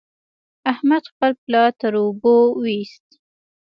احمد خپل پلار تر اوبو وېست.